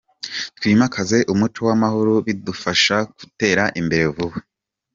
Twimakaze umuco w'amahoro bizadufasha gutera imbere vuba.